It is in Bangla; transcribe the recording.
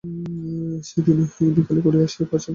সেই দিনই বিকালে খুড়া আসিয়া পৌঁছিলেন।